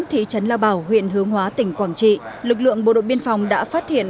thị trấn la bảo huyện hương hóa tỉnh quảng trị lực lượng bộ đội biên phòng đã phát hiện